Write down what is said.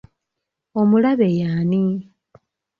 Omulabe y'ani?